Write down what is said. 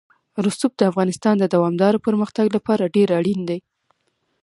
رسوب د افغانستان د دوامداره پرمختګ لپاره ډېر اړین دي.